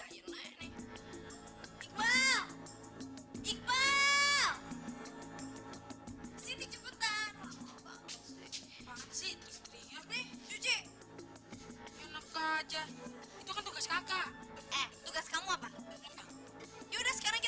aku minta kamu dengerin penjelasannya